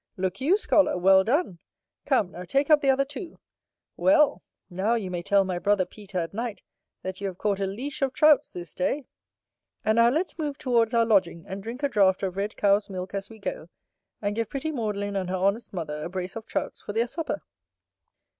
Look you, scholar! well done! Come, now take up the other too: well! now you may tell my brother Peter, at night, that you have caught a leash of Trouts this day. And now let's move towards our lodging, and drink a draught of red cow's milk as we go; and give pretty Maudlin and her honest mother a brace of Trouts for their supper.